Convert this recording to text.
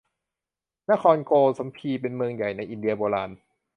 นครโกสัมพี เป็นเมืองใหญ่ในอินเดียโบราณ